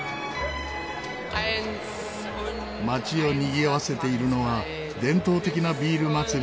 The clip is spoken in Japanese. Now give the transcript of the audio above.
街をにぎわせているのは伝統的なビール祭り